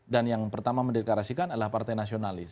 dan yang pertama mendeklarasikan adalah partai nasionalis